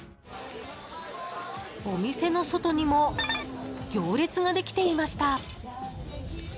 お店の外にも行列ができていました。